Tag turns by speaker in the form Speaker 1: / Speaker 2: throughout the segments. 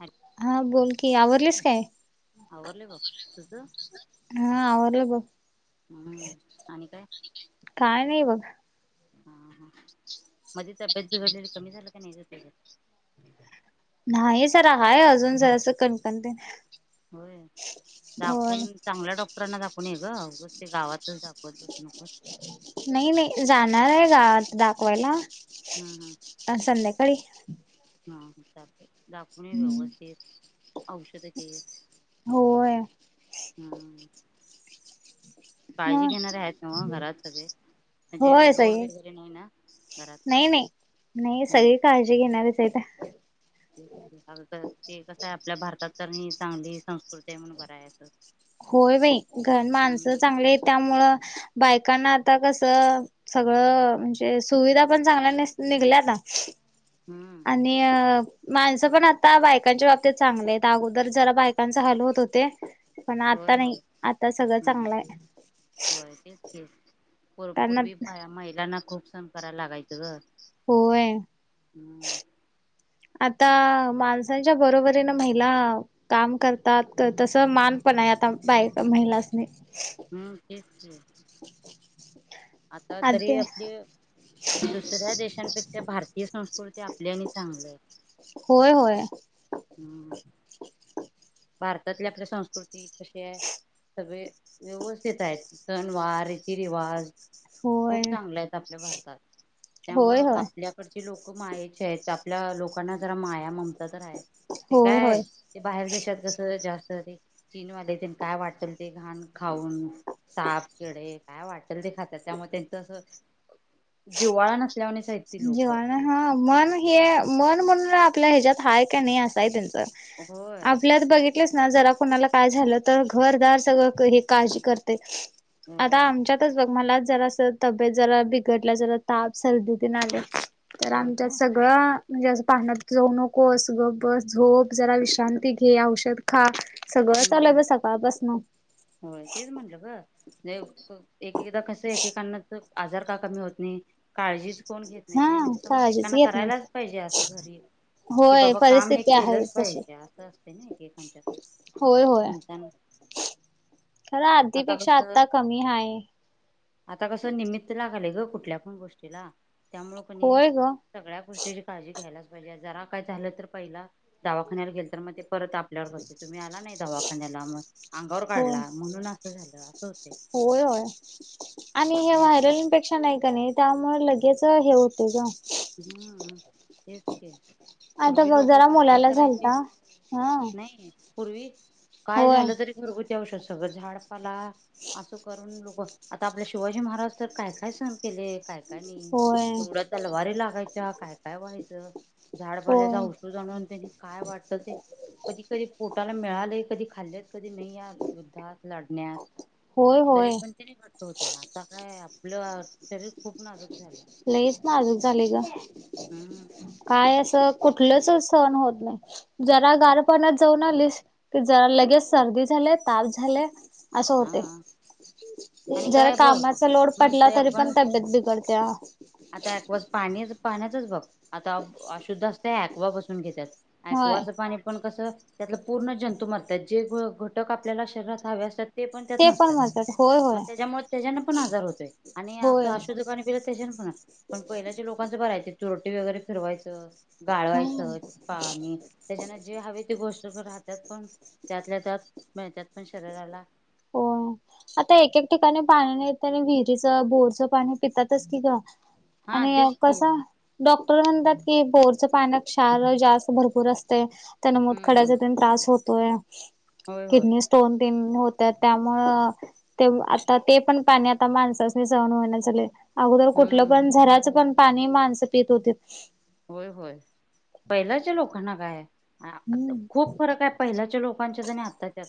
Speaker 1: Hello
Speaker 2: हा, बोल की आवरलयस काय.
Speaker 1: आवरलय बा बा तुझं?
Speaker 2: हा आवरलं बघ
Speaker 1: हम्म, आणि काय?
Speaker 2: काय नाही मग
Speaker 1: हा, हा मधी तब्येत बिघडलेली कमी झालं का नाई ग ते
Speaker 2: नाही जरा हाय अजून जर असं कणकणते.
Speaker 1: होय, दाखवून चांगला डॉक्टर कांना दाखवून ऐ गं उगच ते गावातच दाखवतस
Speaker 2: नही नही जाणार आहे गावात दाखवायला
Speaker 1: हम्म
Speaker 2: आता संध्याकाळी
Speaker 1: हा हा चालतय दाखवून ऐ
Speaker 2: हम्म
Speaker 1: व्यवस्थित औषधं घे
Speaker 2: होय.
Speaker 1: हम्म काळजी
Speaker 2: मग
Speaker 1: घेणारे आहेत नवं घरात सगळे म्हणजे
Speaker 2: होय
Speaker 1: लोड
Speaker 2: ताई
Speaker 1: वगैरे नाही ना घरात काय
Speaker 2: नै नै नै सगळी काळजी घेणारीच. आहेत.
Speaker 1: त ते कसंय. आपल्या भारतात तर ही चांगली संस्कृती आहे म्हणून बरं हाय असं.
Speaker 2: होय बई घ माणसं
Speaker 1: हम्म
Speaker 2: चांगली आइत त्यामुळं बायकांना आता कसं सगळं म्हणजे सुविधा पण चांगल्या निस निघल्यात
Speaker 1: हम्म
Speaker 2: आणि अ माणसं पण आता बायकांच्या बाबतीत चांगली आइत अगोदर जरा बायकांचा हाल होत होते. पण
Speaker 1: होय
Speaker 2: आता नाही
Speaker 1: होय
Speaker 2: आता सगळं
Speaker 1: हम्म
Speaker 2: चांगलं आय.
Speaker 1: होय तेच की पूर्वी महिलांना खूप सहण करायला लागायचं गं
Speaker 2: होय. आता माणसांच्या बरोबरीन महिला काम करतात तस मान पण हाय. आता बाय महिलासनी
Speaker 1: हम्म तेच की आता
Speaker 2: आ ते
Speaker 1: तरी आपली दुसऱ्या देशांपेक्षा भारतीय संस्कृती ती आपली आणी चांगलीय
Speaker 2: होय होय
Speaker 1: हम्म. भारतातली आपल्या संस्कृती कशी हाय सगळी व्यवस्थित आय सन वार रिती रिवाज
Speaker 2: होय
Speaker 1: खूप चांगले आहेत आपल्या भारतात
Speaker 2: होय
Speaker 1: त्यामुळं
Speaker 2: होय
Speaker 1: आपल्याकडची लोक माये ची य त आपल्या लोकांना जरा माया ममता तर हाय ते
Speaker 2: होय
Speaker 1: काय
Speaker 2: होय
Speaker 1: ते बाहेर देशात कसं जास्त ते चीनवाले तन काय वाटलं ते घाण खाऊन साप, कीडे काय वाटलं ते खात्यात त्यामुळे त्यांचं असं जिवाळां नसत
Speaker 2: जीवाण हा मन हे मन म्हणून आपल्या ह्याच्यात हाय का नाही असाय त्यांच
Speaker 1: होय
Speaker 2: आपल्यात बघित ना जर आपणाला काय झालं तर घरदार सगळ हे काळजी करते आता
Speaker 1: होय
Speaker 2: आमच्यातच बघ मला जरा तब्येत जरा बिघडलं जरा ताप सर्दी तर
Speaker 1: होय
Speaker 2: आमच्या
Speaker 1: काय
Speaker 2: सगळं म्हणजे असं पाण्यात जाऊ नकोस गबस झोप जरा विश्रांती घे औषध खा सगळं चालूय
Speaker 1: हम्म
Speaker 2: ग सकाळपासन
Speaker 1: होय तेच म्हंटलं ग म्ह एकदा कसं एकेकांनाच आजार का कमी होत नाही काळजीच कोण घेत नाहीत
Speaker 2: हा
Speaker 1: नाही म्हणजे समज
Speaker 2: काळजीच
Speaker 1: एकाना
Speaker 2: घेत नाही
Speaker 1: करायलाच पाहिजे असं घरी कि
Speaker 2: होय
Speaker 1: बाबा काम हे
Speaker 2: परिस्थिती आहे
Speaker 1: केलंच
Speaker 2: तशी.
Speaker 1: पाहिजे असं असते ना एखांच्यात
Speaker 2: होय होय खरं आधीपेक्षा आता कमी आहे.
Speaker 1: आता कसं निमित्त लागालय ग कुठल्या पण गोष्टीला त्यामु कोणी
Speaker 2: होय ग.
Speaker 1: सगळ्या गोष्टीची काळजी घ्यायलाच. जे जरा काय झालं तर पहिला दावाखान्याला गेल तर मग ते परत आपल्यावर बसते तुम्ही आला नाही दवाखान्याला म अंगावर काढला म्हणून असं झालं असं होते
Speaker 2: होयय आणि हे व्हायरल इनफेक्शन आहे का नाही म लगेच हे होते ग.
Speaker 1: हम्म तेच ते.
Speaker 2: आता ग जरा मुलाला झालता हा
Speaker 1: नाही पूर्वी काय
Speaker 2: होय
Speaker 1: झालं तरी घरगुती औषध सगळं झाडपाला असं करून लोक आता आपल्या शिवाजी महाराज तर काय काय सण केले काय काय नाही
Speaker 2: होय
Speaker 1: एवढ्या तलवारी लागायच्या काय काय व्हायचं झाड पाल्याचा
Speaker 2: होय
Speaker 1: औषधणून त्यांनी काय वाटत ते कधी कधी फु ला मिळालेय कधी खाल्लेत कधी नाही या युद्धात लढण्यात
Speaker 2: होय
Speaker 1: तरी
Speaker 2: होय
Speaker 1: पण तेने घटत होते आता काय आपलं शरीर खूप नाजक
Speaker 2: लईच ना आजूक झाले ग
Speaker 1: हम्म
Speaker 2: काय असं कुठ स होत नाही ज गार पा जाऊन आली क ज लगेच सर् झा त झाले असं होते
Speaker 1: हा आणि
Speaker 2: जर
Speaker 1: काय बघ
Speaker 2: कामाचा लोड पडला
Speaker 1: म्हणतय
Speaker 2: तरी
Speaker 1: आपण
Speaker 2: पण तब्येत बिघडते त्या
Speaker 1: आता वास पाणी पाण्याचच बघ आता अशुद्ध असते वा बसून घेतात
Speaker 2: होय
Speaker 1: ऐकुवाचं पाणी पण कसं त्यातला पूर्ण जंतू मरतात जे घटक आपल्याला शरीरात हवे असतात ते पण त्यात नसतात
Speaker 2: म्हणतात होय होय
Speaker 1: मग त्याच्यामुळे त्याच्याना पण आजार होतोय आणि
Speaker 2: होय
Speaker 1: असं अशु दुकाने पिलं त्याच्याना पण पण पहिल्याच्या लोकांचं भरायच तुोटी वगैरे फिरवायचं
Speaker 2: हम्म
Speaker 1: गाळवायचं पाणी त्याच्यान जे हवे ते गोष्ट राहतात पण त्यातल्या त्यात मिळतात पण शरीराला
Speaker 2: हो आता एकक ठिकाणी पाणी नाही त्या आणि विहिरीचं बोरचं पाणी पितातच की ग
Speaker 1: हा
Speaker 2: आणि
Speaker 1: तेच की
Speaker 2: कस डॉ म्हणतात की बोरच पाण्या कार जास्त भरपूर असते त्याना मग
Speaker 1: हम्म
Speaker 2: खड्याचा त्रास होत
Speaker 1: हम्म होय होय
Speaker 2: किडनी स्टोन त हो तर त्यामु ते आता ते पण पाणी आता माणसा सहण होहिन झाले अगोदर कुठलं
Speaker 1: हम्म
Speaker 2: पण झराचं पण पाणी माणस पेत होते
Speaker 1: होय होय पहिल्याच्या लोकांना काय ह आ
Speaker 2: हम्म.
Speaker 1: खूप फरक आहे पहिल्याच्या लोकांच्या तर नाही आत्ताच्यात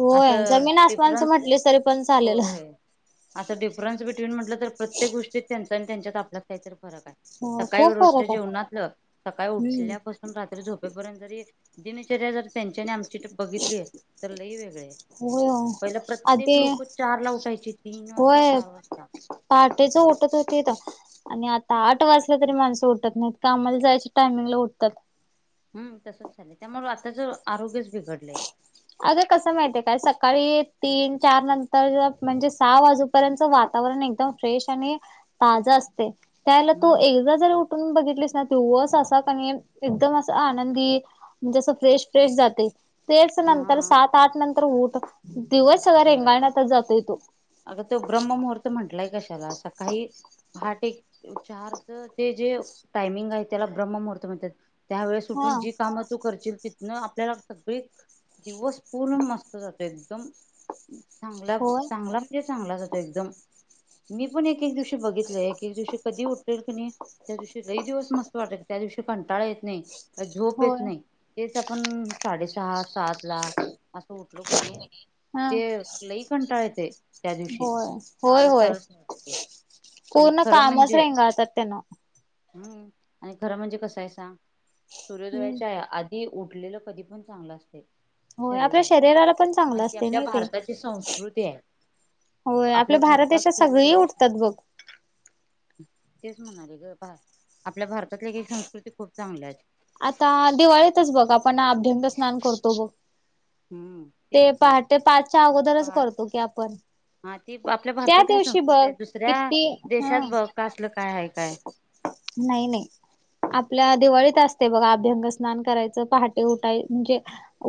Speaker 2: होय
Speaker 1: असं
Speaker 2: जमीन आसमानच
Speaker 1: डिफरन्स
Speaker 2: म्हटलं तरी पण चालेल.
Speaker 1: होय असं डिफरन्स बिट्विन म्हटलं तर प्रत्येक गोष्टीत त्यांच आणि त्यांच्यात आपल्या काहीतरी
Speaker 2: हो खूप आहे.
Speaker 1: जेवनातलं सकाळी
Speaker 2: हम्म
Speaker 1: उठल्यापासून रात्री झोपेपर्यंत जरी दिनचर्या ज त्यांच्याने आमची बघितली आहे तर लई वेगळे
Speaker 2: होय होय
Speaker 1: पहिला प्रत्येक
Speaker 2: आधी
Speaker 1: लोक चार ला उठायचे तीन वाजता चार वाजता
Speaker 2: ते ज उठत होते ते आणि आता आठ वाजला तरी माणसं उठत नाहीत का आमला जायचे टायमिंगला उठतात
Speaker 1: हम् तसंच झालंय त्यामु आताच आरोग्यच बिघडलंय
Speaker 2: अरे कसं माहिती आहे काय सकाळी तीन चार नंतर म्हणजे सहा वाजूपर्यंत वा वातावरण एकदम फ्रेश आणि ताज असते त्याला तू
Speaker 1: हम्म
Speaker 2: एकदा जर उठून बघितलीस ना शवस असा क एकदम अस आनंदी म्हणजे असं फ्रेश फ्रेश जाते तेच नंतर
Speaker 1: हा
Speaker 2: सात आठ नंतर उठ दिवस सगळ
Speaker 1: होय
Speaker 2: रेंगाण आता जातोय तो
Speaker 1: अगं तो ब्रह्ममुहूर्त म्हटलाय कशाला असं काही आठ एक चारच ते जे टायमिंग आहे त्याला ब्रह्म मुहूर्त म्हणतात त्यावेेळे
Speaker 2: हा
Speaker 1: सुटून जी कामं तू करशील न आपल्याला सगळी दिवस पूर्ण मस्त जातो एकदम चांगला
Speaker 2: होय
Speaker 1: चांगला म्हणजे चांगलाचातो एकदम मी पण एक एक दिवशी बघितलंय की दिवशी कधी उठेल क नाही त्या दिवशी लही दिवस मस्त वाटेल त्या दिवशी कंटाळा येत नाही झोप येत
Speaker 2: होय
Speaker 1: नाही तेच आपण साडेसहा सात ला असं उठलो कणी
Speaker 2: हा
Speaker 1: ते लई कंटाळते
Speaker 2: होय होय होय
Speaker 1: वाटतंय आणि
Speaker 2: पूर्ण
Speaker 1: खरं
Speaker 2: कामच
Speaker 1: म्हणजे
Speaker 2: रेंगळतात त्यांना
Speaker 1: हम्म आणि खरं म्हणजे कसायचा
Speaker 2: हम्म.
Speaker 1: सूर्योदयाच्या आहे आ ते उठलेलं कधी पण चांगलं असते
Speaker 2: होय आपल्या शरीराला पण चांगलं
Speaker 1: ती
Speaker 2: असते
Speaker 1: आपल्या
Speaker 2: नाही ते
Speaker 1: भारताची संस्कृती आहे
Speaker 2: होय आपल्या भारत
Speaker 1: भारतात
Speaker 2: देशात सगळीही
Speaker 1: सूर्योदयाची
Speaker 2: उठतात बघ
Speaker 1: तेच म्हणाले ग आपल्या भारतातल्या का संस्कृती खूप चांगल्या आहे
Speaker 2: आता दिवाळीतच बघ आपण अभढंद स्नान करतो बघ
Speaker 1: हम्म तेच
Speaker 2: ते
Speaker 1: की
Speaker 2: पहाट ते पाचच्या अगोदरच
Speaker 1: पहाट
Speaker 2: करतो की आपण
Speaker 1: हा ती आपल्या
Speaker 2: त्या
Speaker 1: भारतातली
Speaker 2: दिवशी
Speaker 1: संस्कृती
Speaker 2: बघ
Speaker 1: आहे दुसऱ्या
Speaker 2: किती हा
Speaker 1: देशात ब का असलं काय आहे काय
Speaker 2: नाही नाही आपल्या दिवाळीत असत ते बघा अभ्यंग स्नान करायचं पहाटे उठाय म्हणजे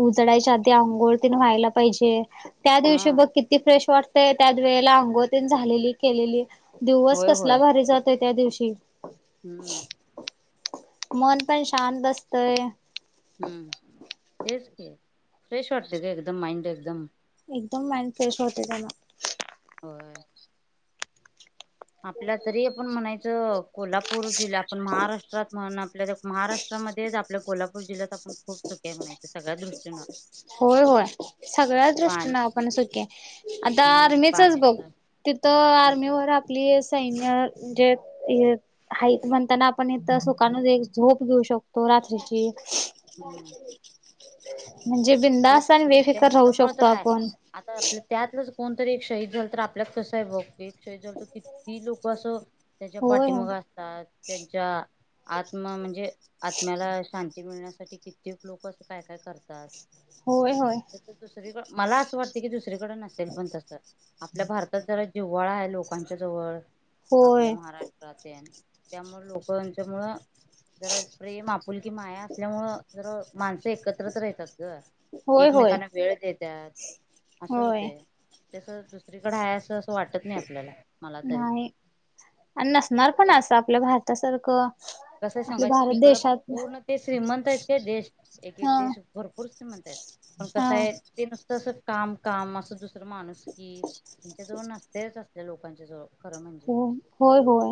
Speaker 2: उजडायच्या आधी अंघोळ तिने व्हायला पाहिजे े त्या
Speaker 1: हा
Speaker 2: दिवशी बघ किती फ्रेश वाटतय त्या वेळेला अंगोती झालेली केलेली दिवस
Speaker 1: होय होय
Speaker 2: कसला भारी जातोय त्या दिवशी
Speaker 1: हम्म
Speaker 2: मन पण शांत बसतय
Speaker 1: हम्म तेच फ्रेश वाटते का एकदम माइंड एकदम
Speaker 2: एकदम माइंड फ्रेश होते का
Speaker 1: होय. आपल्या तरी आपण म्हणायचं कोल्हापूर जिल्हा आपण महाराष्ट्रात म्हण आपल्या महाराष्ट्रात म आपल्या कोल्हापू जिल्ह्यात आपण खूप सुक्या म्हणायचं सगळ्या दृष्टीनं
Speaker 2: होय होय सगळ्याच
Speaker 1: पाणी
Speaker 2: दृष्टीनं आपण सुखी आता
Speaker 1: हम्म
Speaker 2: आर्मीचच बघ
Speaker 1: पाण्याचं
Speaker 2: तिथं आर्मीवरर आपली सैन म्हणजे हा म्हणताना आपण इथ सुखान एक झोप घेऊ शकतो रत्रीची
Speaker 1: हम्म
Speaker 2: म्हणजे
Speaker 1: तेच
Speaker 2: बिंदास्न
Speaker 1: की
Speaker 2: बेफिकर राहू
Speaker 1: त्यांच्यामुळे
Speaker 2: शकतो
Speaker 1: तर आहे.
Speaker 2: आपण
Speaker 1: आता आपल्या त्यातलंच कोणतरी एक शहीद झालं तर आपल्यात कसं आहे बघ एक शाहीद झालं तर किती लोक असं त्याच्या
Speaker 2: होय होय.
Speaker 1: पाठीमुगा असतात त्यांच्या आत्मा म्हणजे आत्म्याला शांती मिळण्यासाठी कित्येक लोक असं काय काय करतात
Speaker 2: होय होय
Speaker 1: तस दुसरीकड मला असं वाटत की दुसरीकडे नसेल पण तस आपल्या भारतात जरा जिव्हाळा आहे लोकांच्या जवळ आपल्या
Speaker 2: होय.
Speaker 1: महाराष्ट्रात त्यामुळे लोकांच्या मुळं जरा प्रेम आपुलकी माया असल्यामुळं जर माणसं एकत्रच राहतात ग
Speaker 2: होय होय.
Speaker 1: एकमेकांना वेळ देतात. असं
Speaker 2: होय
Speaker 1: होते तस दुसरीकडे आहे असं वाटत नाही आपल्याला मला तरी
Speaker 2: नाही आणि नसणार पण असं आपल्या भारतासारखं.
Speaker 1: कस
Speaker 2: आपल्या
Speaker 1: सांगा,
Speaker 2: भारत
Speaker 1: तिकड
Speaker 2: देशात
Speaker 1: पूर्ण ते श्रीमंत आहेत काय देश एक एक
Speaker 2: हा.
Speaker 1: देश भरपूर भरपूर श्रीमंत आहे पण कस
Speaker 2: हा
Speaker 1: आहे ते नुसत अस काम काम असंस माणूस की त्यांच्या जवळ नसतेच असल्या लोकांच्या जवळ. खरं म्हणजे
Speaker 2: हो होय होय.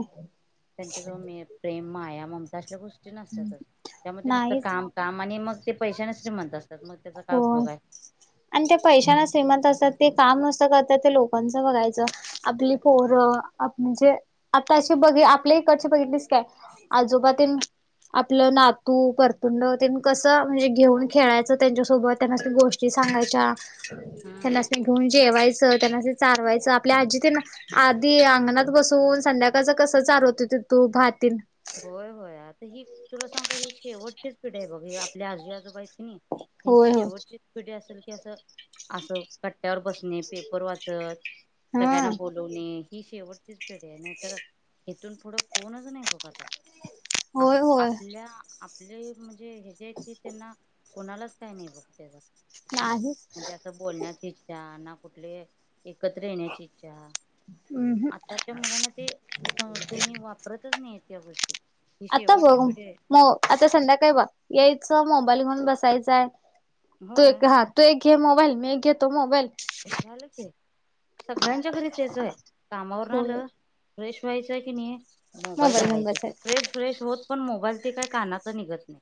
Speaker 1: त्यांच्या जवळ मे प्रेम माया ममता असल्या गोष्टी नसतातच. त्यामुळे नुसतं
Speaker 2: नाहीच
Speaker 1: काम काम आणि मग ते पैशा न श्री म्हणत असतात. मग त्याचा काय
Speaker 2: हो
Speaker 1: उपयोग आहे.
Speaker 2: आणि त्या पैशाना श्रीमंत असत. ते काम असं करतात. ते लोकांच बघायचं. आपली पोरं म्हणजे आता अशी बघ आपल्या इकडची बघितलीस काय? आजोबा ते आपलं नातू परतुंड त्यांनी कसं म्हणजे घेऊन खेळायचं त्यांच्या सोबत त्यांना गोष्टी सांगायच्या.
Speaker 1: हम्म.
Speaker 2: त्यांना घेऊन जेवायचं त्यांना चारवायच. आपल्या आजीतील आधी अंगणात बसून संध्याकाळच कस चालवत त तुप भाती ते
Speaker 1: होय होय. आता ही, तुला सांग का हे शेवटचीच पिढी आहे बघ आपल्या आजूबाजूबाई त त्यांची
Speaker 2: होय होय.
Speaker 1: शेवटची पिढी असेल. की असं असं कट्ट्यावर बसणे पेपर वाचत, सगळ्यांना
Speaker 2: हा
Speaker 1: बोलवणे. ही शेवटचीच पेढी आहे. नाही तर, इथून पुढं कोणच नाही बघ आता.
Speaker 2: होय होय
Speaker 1: आपल्या आपले म्हणजे हे जे क त्यांना कुणालाच काही नाही बघ त्याचा.
Speaker 2: नाही
Speaker 1: म्हणजे असं बोलण्याची इच्छा ना कुठले एकत्र येण्याची इच्छा.
Speaker 2: अहं
Speaker 1: आताच्या मुलांना ते त्यांनी वापरतच नाहीेत या गोष्टी. ही
Speaker 2: आता
Speaker 1: शेवटची
Speaker 2: बघ
Speaker 1: पिढी आहे
Speaker 2: मो आता संध्याकाळी बघ यायचं मोबाईल होन बसायचंय. तू
Speaker 1: होय
Speaker 2: एक हा तू एक घे मोबाईल मी एक घे तो मोबाईल.
Speaker 1: झालं ते सगळ्यांच्या घरी तेच आहे. कामावर न आलं फ्रेश व्हायच की नाही मोबाईल
Speaker 2: घेऊन
Speaker 1: काढायचा, ते
Speaker 2: बसायच
Speaker 1: फ्रेश फ्रेश होत पण मोबाईल ते काही कानात निघत नाही.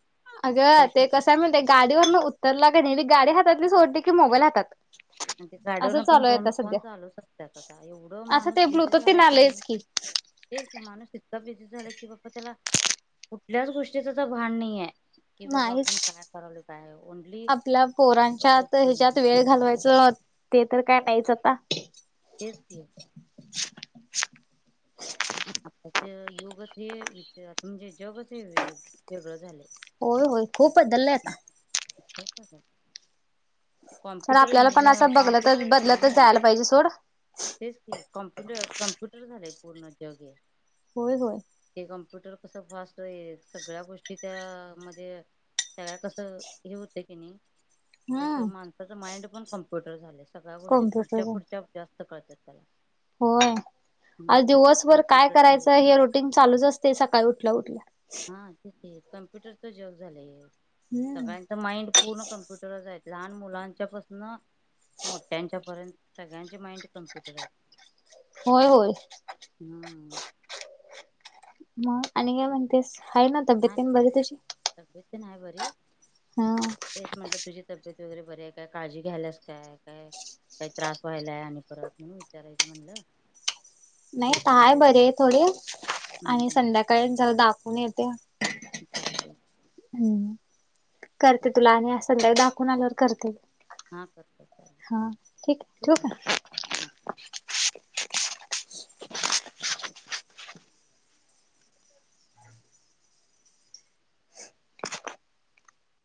Speaker 2: अगं
Speaker 1: फ्रेश
Speaker 2: ते
Speaker 1: होताना
Speaker 2: कसय म्हणतेय गाडीवरन उतरला की नाई गाडी हातातली सोडते की मोबाईल हातात.
Speaker 1: आणि ते
Speaker 2: असं
Speaker 1: गाडीवरन पण
Speaker 2: चालू आहे
Speaker 1: फोन
Speaker 2: आता
Speaker 1: फोन
Speaker 2: सध्या
Speaker 1: चालूच असतात आता एवढं
Speaker 2: असं
Speaker 1: माणूस
Speaker 2: ते
Speaker 1: बिझी
Speaker 2: ब्लूटूथ तेन
Speaker 1: झालाय की नाही.
Speaker 2: आलंयच
Speaker 1: तेच की, माणूस इतका बिझी झाला की, बा् त्याला कुठल्याच गोष्टीच तर भान नाहीये. कि बाबा आपण
Speaker 2: नाहीच
Speaker 1: काय करालोय काय ओनली
Speaker 2: आपल्या पोरांच्यात
Speaker 1: तेच
Speaker 2: ह्याच्यात वेळ घालवायच. ते तर काय नाहीच आता.
Speaker 1: तेच कि. आताच योगच हे विचार म्हणजे जगच हे वेगळ झालं.
Speaker 2: होय होय खूप बदलय आता.
Speaker 1: हो का ग?
Speaker 2: तर आपल्याला पण असं बघल तर
Speaker 1: झाले
Speaker 2: बदलतच
Speaker 1: नाही
Speaker 2: जायला पाहिजे सोड.
Speaker 1: तेच कि कॉम्प्युटर कॉम्प्युटर झालंय पूर्ण जग हे.
Speaker 2: होय होय.
Speaker 1: ट्विटर कस फास्ट आहे सगळ्या गोष्टी त्या मध्ये सगळ्या कसं हे होतं की नाही तस
Speaker 2: हम्म
Speaker 1: माणसाचं माइंड पण कम्प्युटर झालं सगळ्या गोष्टी पुढच्या
Speaker 2: कॉम्प्युटर
Speaker 1: पुढच्या जास्त कळतात त्याला.
Speaker 2: होय. आज
Speaker 1: हम्म
Speaker 2: दिवसभर काय
Speaker 1: कम्प्युटरच
Speaker 2: करायचं
Speaker 1: युग
Speaker 2: हे रोटीन चालूच असते सकाळी उठल्या उठल्या.
Speaker 1: हा तिथे कंम्प्युटरच जग झालंय
Speaker 2: हम्म
Speaker 1: सगळ्यांच माइंड पूर्ण कप म्प्युटर जायच लहान मुलांच्या पाासून मोठ्यांच्या पर्यंत सगळ्यांचे माइंड कम्प्युटर आहे.
Speaker 2: होय होय. मग आणि काय म्हणतेस? आहे ना तब्येत
Speaker 1: हा
Speaker 2: तेन बरी तुझी?
Speaker 1: तब्येतन आहे बरी.
Speaker 2: हा
Speaker 1: तेच म्हटलं तुझी तब्येत वगैरे बरे आहे काय काळजी घ्यायलास काय काय काही त्रास व्हायलाय आणि परत म्हण विचारायचं म्हणलं.
Speaker 2: नाही काय
Speaker 1: विश्रांती
Speaker 2: बर
Speaker 1: वगैरे
Speaker 2: आहे
Speaker 1: घ्या
Speaker 2: थोडे
Speaker 1: हम्म
Speaker 2: आणि संध्याकाळी जरा दाखवून येते.
Speaker 1: चालतय.
Speaker 2: हम्म करते तुला आणि अस संध्या दाखवून आल्यावर करते.
Speaker 1: हा करतो चालेल
Speaker 2: हा ठीक आहे ठेऊ का.
Speaker 1: हा